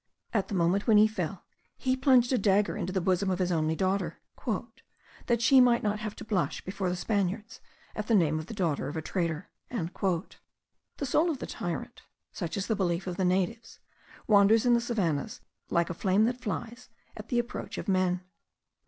At the moment when he fell, he plunged a dagger into the bosom of his only daughter, "that she might not have to blush before the Spaniards at the name of the daughter of a traitor." The soul of the tyrant (such is the belief of the natives) wanders in the savannahs, like a flame that flies the approach of men.